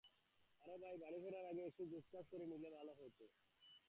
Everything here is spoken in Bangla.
আর ভাই বাড়ি ফেরার আগে একটু গোছগাছ করে নিলে ভালো হয়।